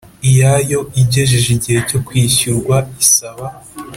iyayo igejeje igihe cyo kwishyurwa isaba